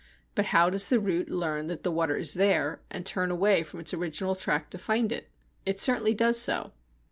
But how does the root learn that the water is there and turn away from its original track to find it? It certainly does so!